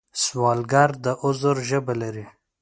سوالګر د عذر ژبه لري